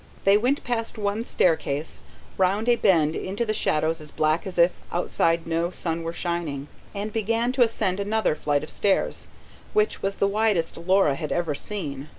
They went past one staircase, round a bend into shadows as black as if, outside, no sun were shining, and began to ascend another flight of stairs, which was the widest Laura had ever seen.